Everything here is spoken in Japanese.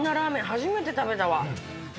初めて食べたわ。